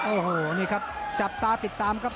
โอ้โหนี่ครับจับตาติดตามครับ